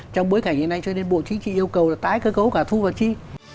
trong bối cảnh như thế này cho nên bộ chính trị yêu cầu là tái cơ cấu cả thu và chi